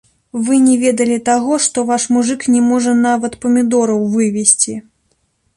Вы не ведалі таго, што ваш мужык не можа нават памідораў вывесці.